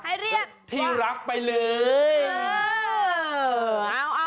ให้เรียกว่าที่รักไปเลยเอ้อ